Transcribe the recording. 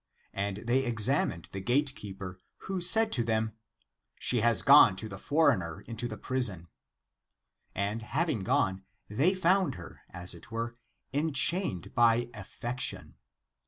And they examined the gate keeper, who said to them, " She has gone to the foreigner into the prison." And having gone, they found her, as it were, enchained by affection.